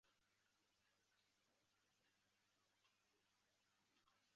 入唐后不知所终。